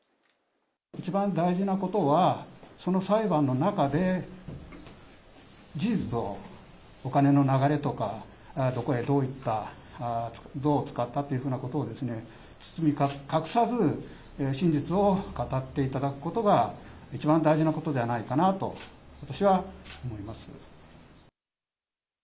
一番大事なことは、その裁判の中で、事実を、お金の流れとか、どこへどういった、どう使ったというふうなことを包み隠さず真実を語っていただくことが、一番大事なことじゃないかなと、私は思います。